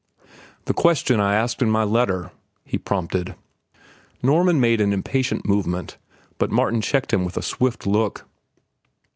"The question I asked in my letter," he prompted. Norman made an impatient movement, but Martin checked him with a swift look.